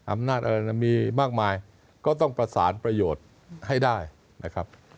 อำนาจอะไรมีมากมายก็ต้องประสานประโยชน์ให้ได้นะครับ